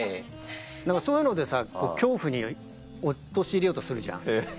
何かそういうのでさ恐怖に陥れようとするじゃん。